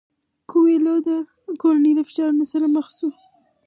کویلیو د کورنۍ له فشارونو سره مخ شو.